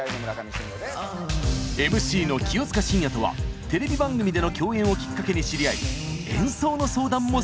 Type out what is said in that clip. ＭＣの清塚信也とはテレビ番組での共演をきっかけに知り合い